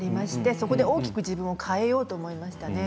そこで大きく自分を変えようと思いましたね。